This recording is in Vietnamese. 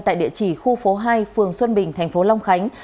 tại địa chỉ khu phố hai phường xuân bình thành phố long khánh